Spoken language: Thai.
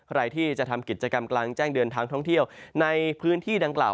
ใครที่จะทำกิจกรรมกลางแจ้งเดินทางท่องเที่ยวในพื้นที่ดังกล่าว